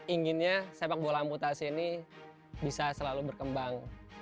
inginnya sepak bola amputasi ini bisa selalu berkembang